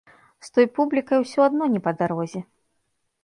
З той публікай ўсё адно не па дарозе.